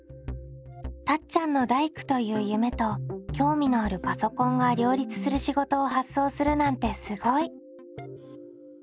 たっちゃんの大工という夢と興味のあるパソコンが両立する仕事を発想するなんてすごい。